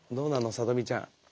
さとみちゃん。